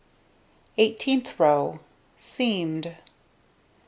Eighteenth row: Seamed.